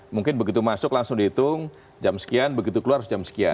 mungkin begitu masuk langsung dihitung jam sekian begitu keluar harus jam sekian